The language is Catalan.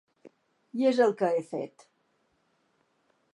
I és el que he fet.